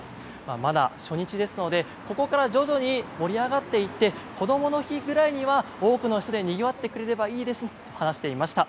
まだ初日ですのでここから徐々に盛り上がっていってこどもの日ぐらいには多くの人でにぎわってくれるといいですねと話していました。